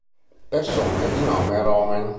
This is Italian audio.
Persone di nome Romain